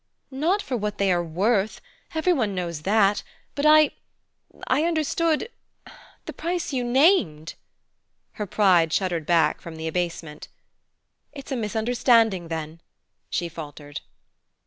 "Not for what they are worth! Every one knows that. But I I understood the price you named " Her pride shuddered back from the abasement. "It's a misunderstanding then," she faltered.